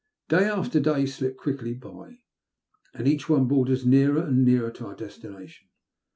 Day after day slipped quickly by, and each one brought us nearer and nearer to our destination.